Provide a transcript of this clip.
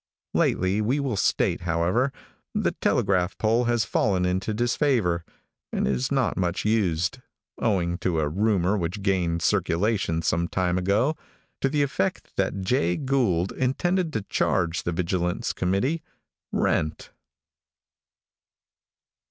Lately, we will state, however, the telegraph pole has fallen into disfavor, and is not much used, owing to a rumor which gained circulation some time ago, to the effect that Jay Gould intended to charge the vigilance committee rent.